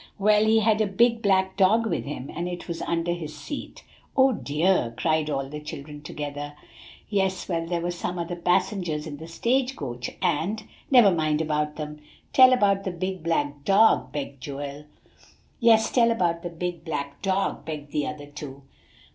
"Well, he had a big black dog with him, and it was under his seat." "Oh, dear!" cried all the children together. "Yes; well, there were some other passengers in the stage coach, and" "Never mind about them, tell about the big black dog," begged Joel. "Yes; tell about the big black dog," begged the other two.